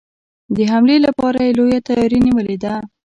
د حملې لپاره یې لويه تیاري نیولې ده.